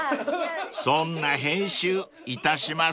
［そんな編集いたしません］